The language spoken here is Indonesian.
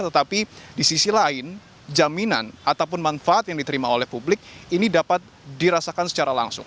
tetapi di sisi lain jaminan ataupun manfaat yang diterima oleh publik ini dapat dirasakan secara langsung